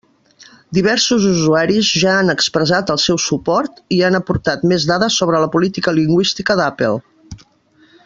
Diversos usuaris ja han expressat el seu suport i han aportat més dades sobre la política lingüística d'Apple.